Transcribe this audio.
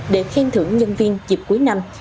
để khen thưởng nhân viên dịp cuối năm